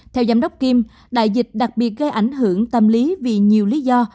theo giám đốc kim đại dịch đặc biệt gây ảnh hưởng tâm lý vì nhiều lý do